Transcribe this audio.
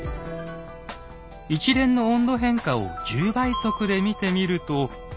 一連の温度変化を１０倍速で見てみると。